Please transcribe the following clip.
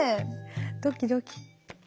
ドキドキ。